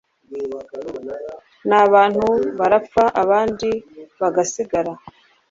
n'abantu barapfa abandi bagasigara